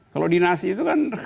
kalau dinasti itu kan ya ditunjuk aja